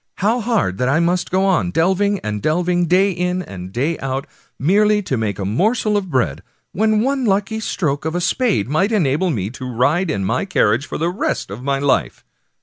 How hard that I must go on, delving and delving, day in and day out, merely to make a morsel of bread, when one lucky stroke of a spade might enable me to ride in my carriage for the rest of my life